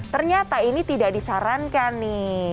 ternyata ini tidak disarankan nih